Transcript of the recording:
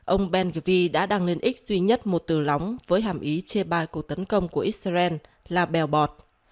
ông ben gv đã đăng lên x duy nhất một từ lóng với hàm ý chê bai cuộc tấn công của israel là bèo bọt